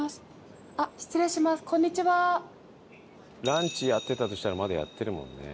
ランチやってたとしたらまだやってるもんね。